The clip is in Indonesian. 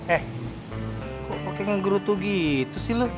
eh kok pake nge guru tuh gitu sih lu